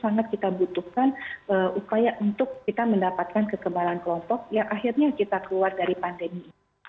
sangat kita butuhkan upaya untuk kita mendapatkan kekebalan kelompok yang akhirnya kita keluar dari pandemi